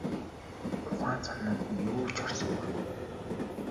Ухаан санаанд нь юу ч орсонгүй.